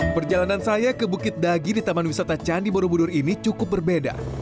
perjalanan saya ke bukit dagi di taman wisata candi borobudur ini cukup berbeda